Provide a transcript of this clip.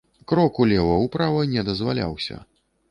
Крок улева-ўправа не дазваляўся.